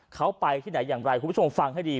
เขาไปที่ไหนอย่างไรคุณผู้ชมฟังให้ดี